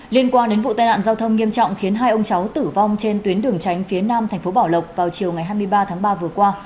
liên quan đến vụ tai nạn giao thông nghiêm trọng khiến hai ông cháu tử vong trên tuyến đường tránh phía nam thành phố bảo lộc vào chiều ngày hai mươi ba tháng ba vừa qua